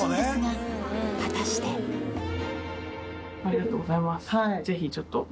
ありがとうございますぜひ。